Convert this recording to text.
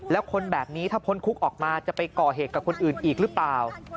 แล้วคนแบบนี้ถ้าพ้นคุกออกมาจะไปก่อเหตุกับคนอื่นอีกหรือเปล่า